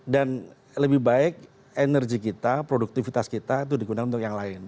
dan lebih baik energi kita produktivitas kita itu digunakan untuk yang lain